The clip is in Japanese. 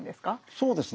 そうですね